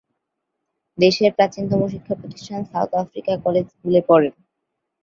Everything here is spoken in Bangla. দেশের প্রাচীনতম শিক্ষা প্রতিষ্ঠান সাউথ আফ্রিকা কলেজ স্কুলে পড়েন।